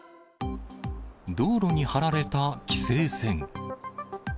道路に張られた規制線。